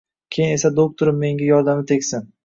Keyin esa doktorim menga yordami tegsin